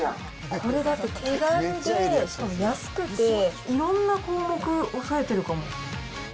これだって手軽で、安くていろんな項目抑えてるかも。